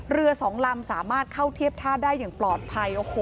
เรือสองลำสามารถเข้าเทียบท่าได้อย่างปลอดภัยโอ้โห